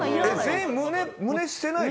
全員胸してないの？